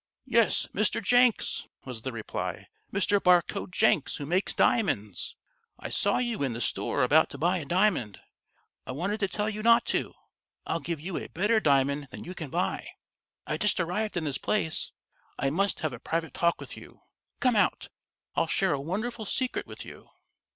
"Yes, Mr. Jenks," was the reply. "Mr. Barcoe Jenks, who makes diamonds. I saw you in the store about to buy a diamond I wanted to tell you not to I'll give you a better diamond than you can buy I just arrived in this place I must have a private talk with you Come out I'll share a wonderful secret with you."